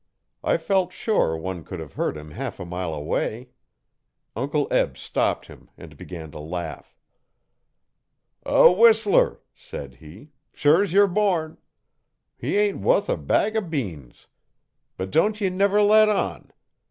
I felt sure one could have heard him half a mile away. Uncle Eb stopped him and began to laugh. 'A whistler,' said he, 'sure's yer born. He ain't wuth a bag o' beans. But don't ye never let on.